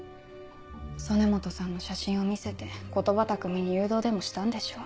曽根本さんの写真を見せて言葉たくみに誘導でもしたんでしょう。